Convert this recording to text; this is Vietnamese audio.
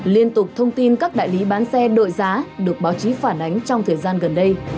liên tục thông tin các đại lý bán xe đội giá được báo chí phản ánh trong thời gian gần đây